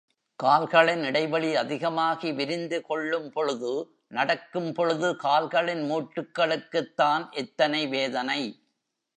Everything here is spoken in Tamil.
கால்களின் இடைவெளி அதிகமாகி விரிந்து கொள்ளும் பொழுது, நடக்கும் பொழுது கால்களின் மூட்டுக்களுக்குத் தான் எத்தனை வேதனை?